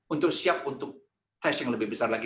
untuk siap untuk tes yang lebih besar lagi